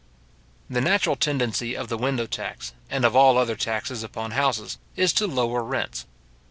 The natural tendency of the window tax, and of all other taxes upon houses, is to lower rents.